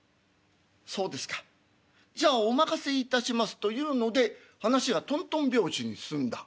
「そうですかじゃあお任せいたします」というので話がとんとん拍子に進んだ。